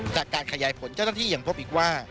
จากการขยายผลเจ้าหน้าที่ยังพบอีกว่า